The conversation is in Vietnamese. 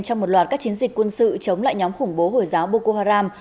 trong một loạt các chiến dịch quân sự chống lại nhóm khủng bố hồi giáo boko haram